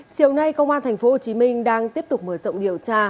chiều nay công an tp hcm đang tiếp tục mở rộng điều tra